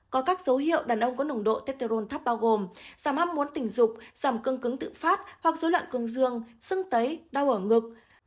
có các dấu hiệu đàn ông có nồng độ tétterol thấp bao gồm giảm hâm muốn tình dục giảm cưng cứng tự phát hoặc dối loạn cưng dương sưng tấy đau ở ngực